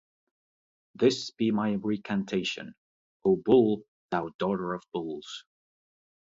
This be my recantation, O bull, thou daughter of bulls.